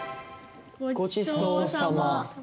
「ごちそうさま」。